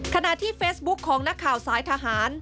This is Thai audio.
ขณะที่เฟซบุ๊คของนักข่าวสายทหาร